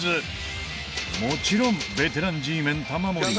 もちろんベテランＧメン玉森